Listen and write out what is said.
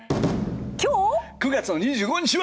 今日！９月の２５日は！